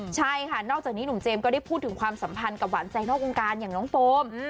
ใช่ค่ะนอกจากนี้หนุ่มเจมส์ก็ได้พูดถึงความสัมพันธ์กับหวานใจนอกวงการอย่างน้องโฟม